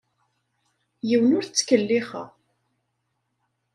Yiwen ur t-ttkellixeɣ.